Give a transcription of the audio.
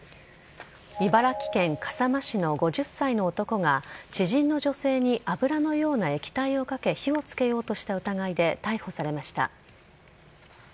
茨城県笠間市の５０歳の男が、知人の女性に油のような液体をかけ、火をつけようとした疑いで逮捕されました。